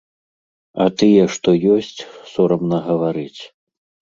А тыя, што ёсць, сорамна гаварыць.